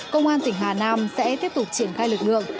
công an tỉnh hà nam sẽ tiếp tục triển khai lực lượng